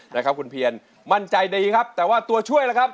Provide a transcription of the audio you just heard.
นะครับคุณเพียนมั่นใจดีครับแต่ว่าตัวช่วยล่ะครับ